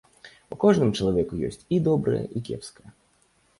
У кожным чалавеку ёсць і добрае і кепскае.